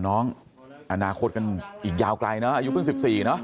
น้องอนาคตกันอีกยาวไกลเนอะอายุเพิ่ง๑๔เนอะ